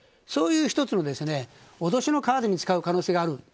そういう１つの脅しのカードに使う可能性がある。